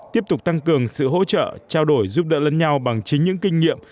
tiếp tục tăng cường sự hỗ trợ trao đổi giúp đỡ lẫn nhau bằng chính những kinh nghiệm